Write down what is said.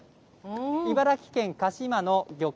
茨城県鹿嶋の漁港。